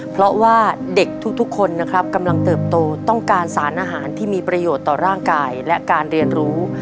เพราะว่าเด็กทุกคนนะครับกำลังเติบโตต้องการสารอาหารที่มีประโยชน์ต่อร่างกายและการเรียนรู้